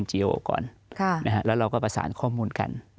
ก่อนแล้วเราก็ประสานข้อมูลกัน